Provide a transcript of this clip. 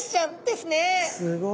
すごい。